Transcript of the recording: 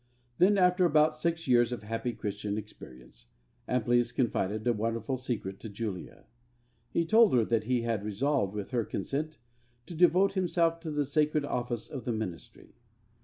Then, after about six years of happy Christian experience, Amplius confided a wonderful secret to Julia. He told her that he had resolved, with her consent, to devote himself to the sacred office of the ministry.